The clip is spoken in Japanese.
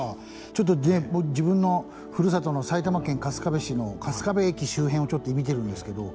ちょっとね自分のふるさとの埼玉県春日部市の春日部駅周辺をちょっと見てるんですけど。